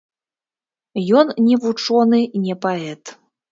Ён не вучоны, не паэт.